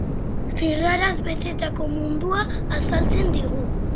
Zirraraz betetako mundua azaltzen digu.